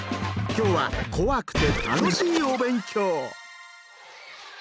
今日は怖くて楽しいお勉強。